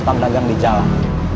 sampai berdagang di jalan